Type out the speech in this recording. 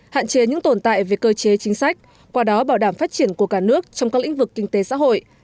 hạn chế những tồn tại về cơ chế chính sách qua đó bảo đảm phát triển của cả nước trong các lĩnh vực kinh tế xã hội